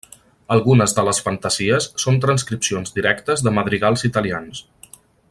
Algunes de les fantasies són transcripcions directes de madrigals italians.